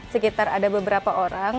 sekitar ada beberapa orang